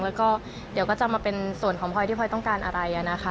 แล้วก็เดี๋ยวก็จะมาเป็นส่วนของพลอยที่พลอยต้องการอะไรนะคะ